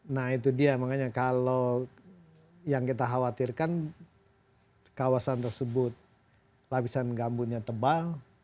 nah itu dia makanya kalau yang kita khawatirkan kawasan tersebut lapisan gambutnya tebal